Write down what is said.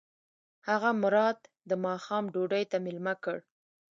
هغه مراد د ماښام ډوډۍ ته مېلمه کړ.